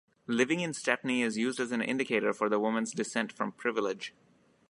Living in Stepney is used as an indicator for the woman's descent from privilege.